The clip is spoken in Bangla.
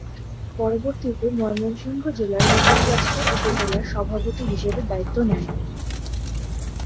পরবর্তীতে ময়মনসিংহ জেলার মুক্তাগাছা উপজেলা শাখার সভাপতি হিসেবে দায়িত্ব নেন।